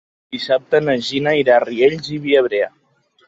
Dissabte na Gina irà a Riells i Viabrea.